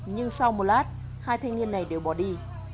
nhưng sau một lát hai thanh niên này đều bỏ đi